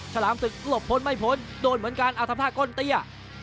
ฉลามศึกหลบพ้นไม่พ้นโดนเหมือนกันเอาทำท่าก้นเตี้ย